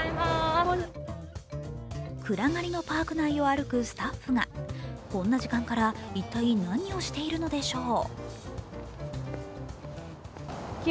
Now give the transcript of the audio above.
暗がりのパーク内を歩くスタッフがこんな時間から一体何をしているのでしょう。